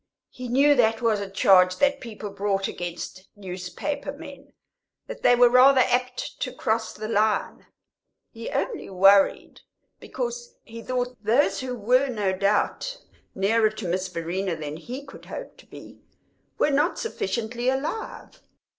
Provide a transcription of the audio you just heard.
He knew that was a charge that people brought against newspaper men that they were rather apt to cross the line. He only worried because he thought those who were no doubt nearer to Miss Verena than he could hope to be were not sufficiently alive.